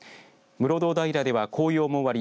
室堂平では紅葉も終わり